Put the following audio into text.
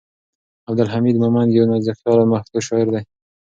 عبدالحمید مومند یو نازکخیاله پښتو شاعر دی.